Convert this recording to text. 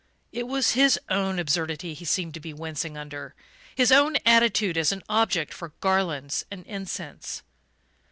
It was his own absurdity he seemed to be wincing under his own attitude as an object for garlands and incense.